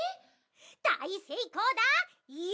だいせいこうだよ！